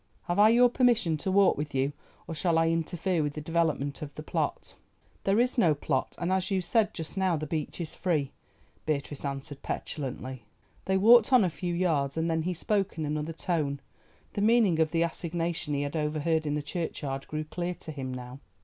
Have I your permission to walk with you, or shall I interfere with the development of the plot?" "There is no plot, and as you said just now the beach is free," Beatrice answered petulantly. They walked on a few yards and then he spoke in another tone—the meaning of the assignation he had overheard in the churchyard grew clear to him now.